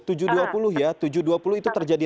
tujuh dua puluh ya tujuh dua puluh itu terjadi